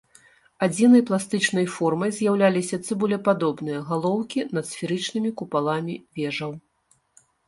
Адзінай пластычнай формай з'яўляліся цыбулепадобныя галоўкі над сферычнымі купаламі вежаў.